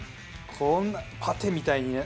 こんなパテみたいにね。